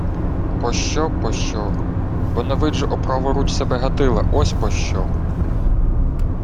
— Пощо, пощо... Бо не виджу о праву руч себе Гатила! Ось пощо!